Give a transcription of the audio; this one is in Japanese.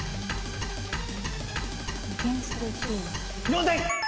４点！